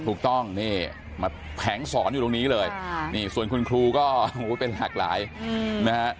ถูกต้องนี่มาแผงสอนอยู่ตรงนี้เลยนี่ส่วนคุณครูก็เป็นหลากหลายนะฮะ